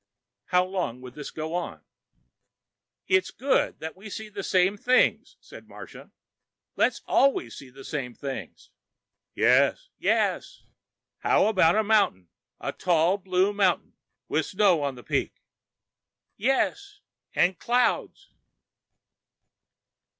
How long would this go on? "It's good that we see the same things," said Marsha. "Let's always see the same things...." "Yes." "Yes!" "Now a mountain, a tall blue mountain." "With snow on the peak." "Yes, and clouds...."